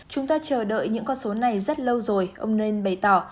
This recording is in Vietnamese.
chúng ta chờ đợi những con số này rất lâu rồi ông nên bày tỏ